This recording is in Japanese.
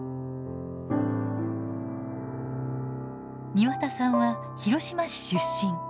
庭田さんは広島市出身。